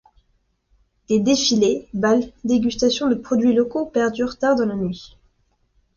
Des défilés, bals, dégustations de produits locaux perdurent tard dans la nuit.